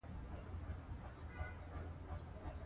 ادب د انسان په شخصیت پورې اړه لري.